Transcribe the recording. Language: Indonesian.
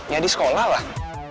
ya di sekolah lah